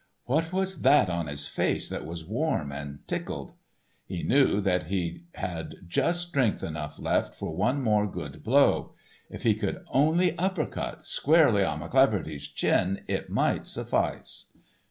What was that on his face that was warm and tickled? He knew that he had just strength enough left for one more good blow; if he could only upper cut squarely on McCleaverty's chin it might suffice.